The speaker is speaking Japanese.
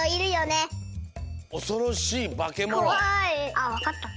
あわかった。